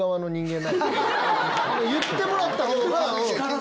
言ってもらったほうが。